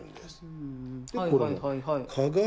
はいはいはいはい。